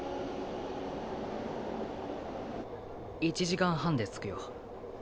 １時間半で着くよ。